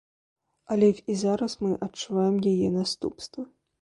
Але і зараз мы адчуваем яе наступствы.